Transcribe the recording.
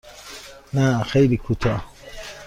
نه خیلی کوتاه.